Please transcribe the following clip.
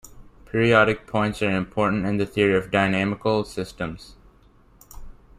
Periodic points are important in the theory of dynamical systems.